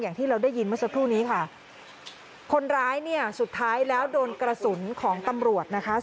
อย่างที่เราได้ยินเมื่อสักครู่นี้ค่ะคนร้ายเนี่ยสุดท้ายแล้วโดนกระสุนของตำรวจนะคะ